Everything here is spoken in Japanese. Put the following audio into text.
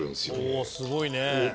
「おおーすごいね！」